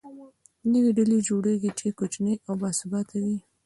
نوې ډلې جوړېږي، چې کوچنۍ او باثباته وي.